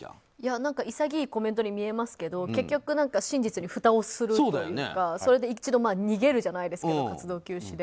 潔いコメントに見えますけど結局、真実にふたをするというかそれで一度逃げるじゃないですけど活動休止で。